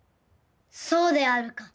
そうであるか。